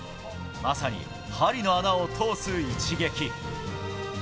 まさに針の穴を通す一撃。